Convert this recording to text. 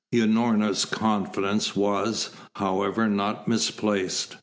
Unorna's confidence was, however, not misplaced.